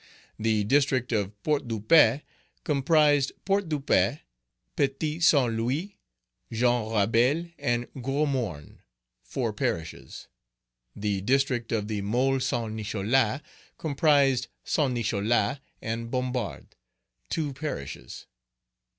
The District of Port de Paix comprised Port de Paix, Petit Saint Louis, Jean Rabel, and Gros Morne, four parishes. The District of the Môle Saint Nicholas comprised Saint Nicholas and Bombarde, two parishes.